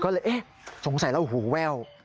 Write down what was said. ก็เลยสงสัยแล้วหูแวว